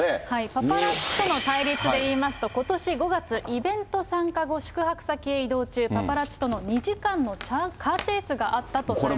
パパラッチとの対立で言いますと、ことし５月、イベント参加後、宿泊先へ移動中、パパラッチとの２時間のカーチェイスがあったとされました。